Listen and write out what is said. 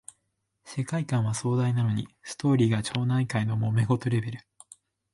世界観は壮大なのにストーリーが町内会のもめ事レベル